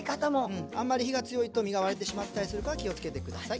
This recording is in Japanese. あんまり火が強いと身が割れてしまったりするから気をつけてください。